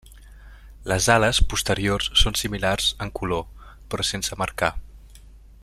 Les ales posteriors són similars en color, però sense marcar.